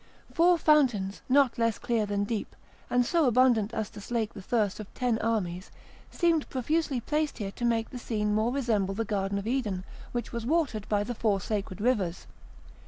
Four fountains, not less clear than deep, and so abundant as to slake the thirst of ten armies, seemed profusely placed here to make the scene more resemble the garden of Eden, which was watered by the four sacred rivers.